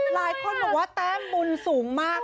หลายคนบอกว่าแต้มบุญสูงมาก